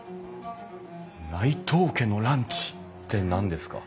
「内藤家のランチ」って何ですか？